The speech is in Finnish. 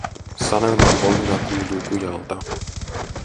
Sanelman volina kuuluu kujalta.